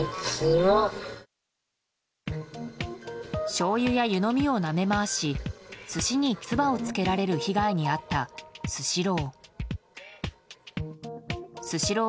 しょうゆや湯飲みをなめ回し寿司に唾を付けられる被害に遭ったスシロー。